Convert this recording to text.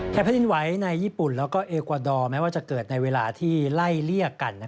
แผ่นดินไหวในญี่ปุ่นแล้วก็เอกวาดอร์แม้ว่าจะเกิดในเวลาที่ไล่เลี่ยกัน